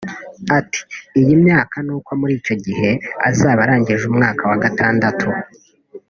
Ati “ iyi myaka nuko muri icyo gihe azaba arangije umwaka wa gatandatu